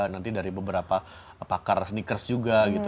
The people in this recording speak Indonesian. nanti dari beberapa pakar sneakers juga gitu